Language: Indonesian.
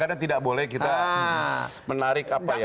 karena tidak boleh kita menarik apa ya